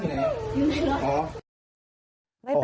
ปลอบภัยแล้วลูกปลอบภัยแล้ว